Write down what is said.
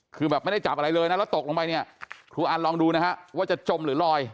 คือแบบไม่ได้จับอะไรเลยนะแล้วตกลงไปเนี่ยครูอันลองดูนะฮะว่าจะจมหรือลอย